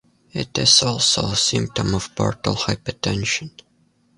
It is also a symptom of portal hypertension.